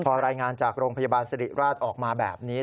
พอรายงานจากโรงพยาบาลสิริราชออกมาแบบนี้